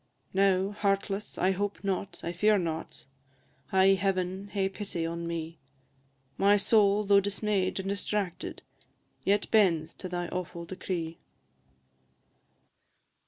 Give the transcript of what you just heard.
Now heartless, I hope not I fear not, High Heaven hae pity on me! My soul, tho' dismay'd and distracted, Yet bends to thy awful decree.